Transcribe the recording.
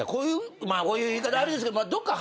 こういう言い方あれですけどどっか。